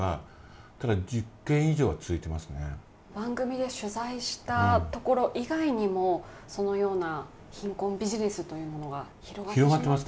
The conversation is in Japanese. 番組で取材したところ以外にもそのような貧困ビジネスというのが広がってしまっている？